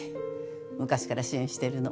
昔から支援してるの。